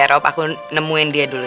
yaudah ya rob aku nemuin dia dulu ya